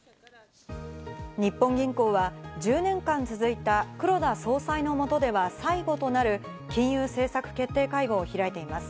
日本銀行は１０年間続いた黒田総裁の下では最後となる金融政策決定会合を開いています。